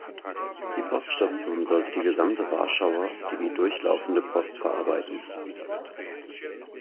Die Poststation sollte die gesamte Warschauer sowie durchlaufende Post verarbeiten.